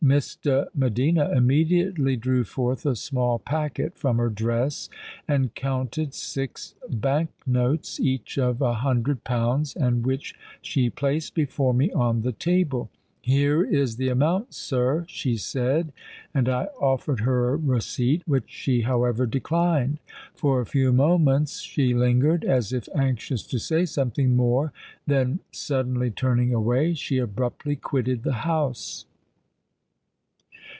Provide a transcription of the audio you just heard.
—Miss de Medina immediately drew forth a small packet from her dress, and counted six Bank notes, each of a hundred pounds, and which she placed before me on the table,—'Here is the amount, sir,' she said; and I offered her a receipt, which she however declined. For a few moments she lingered—as if anxious to say something more: then, suddenly turning away, she abruptly quitted the house."